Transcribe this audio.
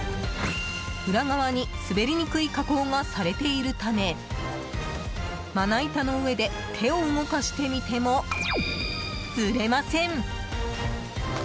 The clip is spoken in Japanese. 裏側に滑りにくい加工がされているためまな板の上で手を動かしてみてもずれません。